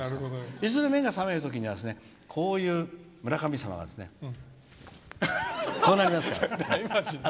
いずれ目が覚めるときにはこういう、村神様がこうなりますから。